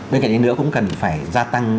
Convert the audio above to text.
bên cạnh đến nữa cũng cần phải gia tăng